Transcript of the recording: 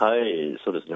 そうですね。